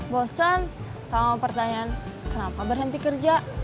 bosan sama pertanyaan kenapa berhenti kerja